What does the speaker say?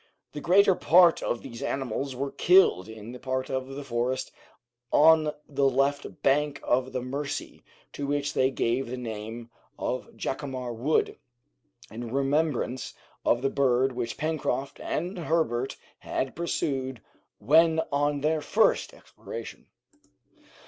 The greater part of these animals were killed in the part of the forest on the left bank of the Mercy, to which they gave the name of Jacamar Wood, in remembrance of the bird which Pencroft and Herbert had pursued when on their first exploration.